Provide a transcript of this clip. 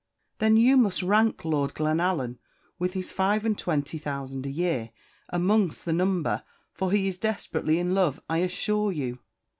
"Then you must rank Lord Glenallan, with his five and twenty thousand a year, amongst the number, for he is desperately in love, I assure you."